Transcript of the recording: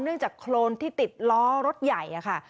จากโครนที่ติดล้อรถใหญ่ค่ะ